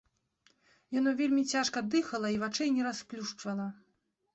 Яно вельмі цяжка дыхала і вачэй не расплюшчвала.